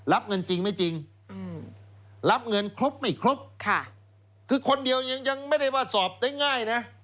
รับเงินจริงไม่จริงรับเงินครบไม่ครบค่ะคือคนเดียวยังยังไม่ได้ว่าสอบได้ง่ายนะ